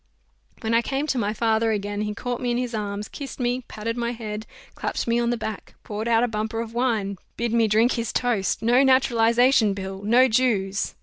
When I came to my father again, he caught me in his arms, kissed me, patted my head, clapped me on the back, poured out a bumper of wine, bid me drink his toast, "No Naturalization Bill! No Jews!"